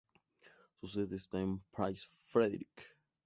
Su sede está en Prince Frederick.